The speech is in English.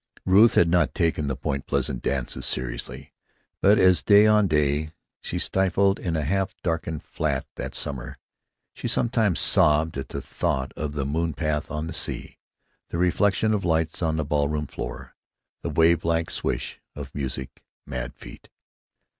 Ruth had not taken the Point Pleasant dances seriously, but as day on day she stifled in a half darkened flat that summer, she sometimes sobbed at the thought of the moon path on the sea, the reflection of lights on the ball room floor, the wavelike swish of music mad feet.